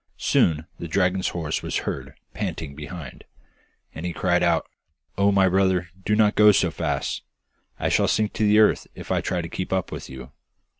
Soon the dragon's horse was heard panting behind, and he cried out, 'Oh, my brother, do not go so fast! I shall sink to the earth if I try to keep up with you.